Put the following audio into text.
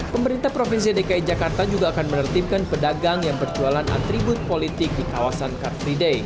pemerintah provinsi dki jakarta juga akan menertibkan pedagang yang berjualan atribut politik di kawasan car free day